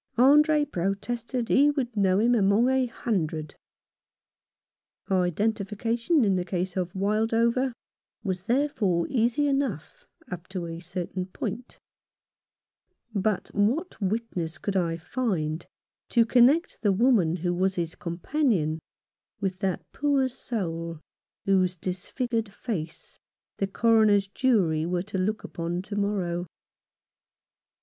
Andre protested he would know him among a hundred. Identification in the case of Wildover was therefore easy enough up to a certain point ; but what witness could I find to connect the woman who was his companion with that poor soul whose disfigured face the Coroner's jury are to look upon to morrow